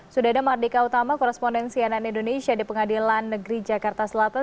sudah ada mardika utama korespondensi ann indonesia di pengadilan negeri jakarta selatan